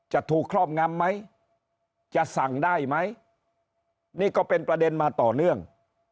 จะถูกครอบงำไหมจะสั่งได้ไหมนี่ก็เป็นประเด็นมาต่อเนื่อง